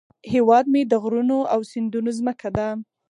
هیواد مې د غرونو او سیندونو زمکه ده